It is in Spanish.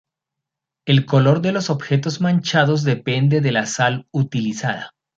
El color de los objetos manchados depende de la sal utilizada.